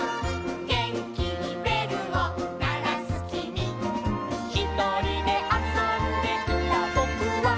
「げんきにべるをならすきみ」「ひとりであそんでいたぼくは」